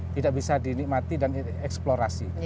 tidak bisa dinikmati dan dieksplorasi